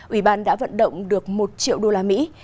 ủy ban đã vận động được một triệu đô la mỹ